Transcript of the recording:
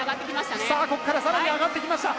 ここからさらに上がってきました。